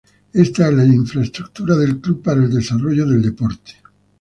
Esta es la infraestructura del club para el desarrollo del deporte